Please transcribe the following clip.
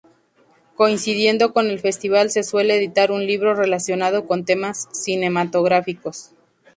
Coincidiendo con el Festival se suele editar un libro relacionado con temas cinematográficos.